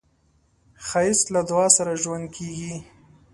ښایست له دعا سره ژوندی کېږي